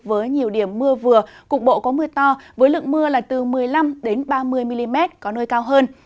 với nhiều điểm mưa vừa cục bộ có mưa to với lượng mưa là từ một mươi năm ba mươi mm có nơi cao hơn